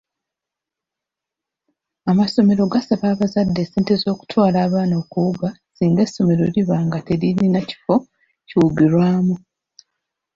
Amasomero gasaba abazadde ssente z’okutwala abaana okuwuga singa essomero liba nga teririna kifo kiwugirwamu.